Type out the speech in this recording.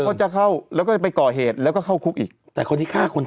เขาจะเข้าแล้วก็จะไปก่อเหตุแล้วก็เข้าคุกอีกแต่คนที่ฆ่าคน